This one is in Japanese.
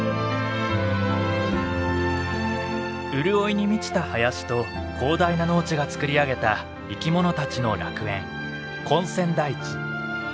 潤いに満ちた林と広大な農地が作り上げた生きものたちの楽園根釧台地。